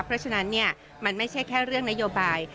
เพราะฉะนั้นมันไม่ใช่แค่เรื่องนโยบาย